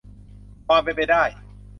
ความเป็นไปได้